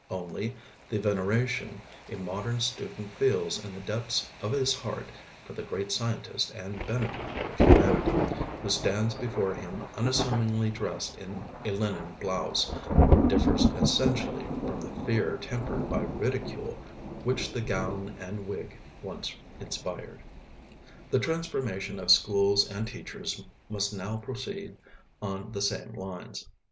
Only, the veneration a modern student feels in the depths of his heart for the great scientist and benefactor of humanity, who stands before him unassumingly dressed in a linen blouse, differs essentially from the fear tempered by ridicule which the gown and wig once inspired. The transformation of schools and teachers must now proceed on the same lines.